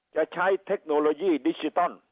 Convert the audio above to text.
จะใช้เทคโนโลยีดิจิตอล